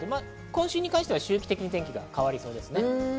今週に関して周期的に天気変わりそうです。